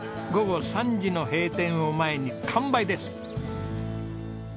午後３時の閉店を前に完売です。